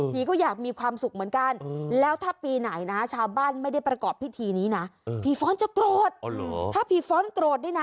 ผีก็อยากมีความสุขเหมือนกัน